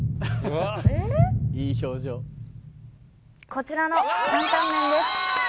こちらの担担麺です